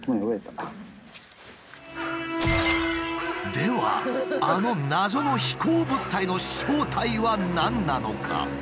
ではあの謎の飛行物体の正体は何なのか？